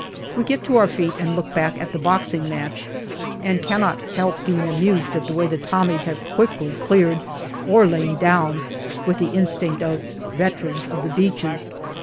We get to our feet and look back at the boxing match, and cannot help being amused at the way the Tommies have quickly cleared or lain down, with the instinct of " veterans of the beaches."